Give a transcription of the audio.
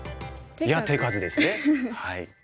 いや手数ですね。